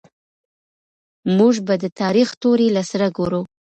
موږ به د تاريخ توري له سره ګورو.